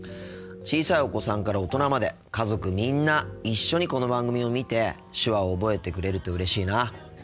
小さいお子さんから大人まで家族みんな一緒にこの番組を見て手話を覚えてくれるとうれしいな。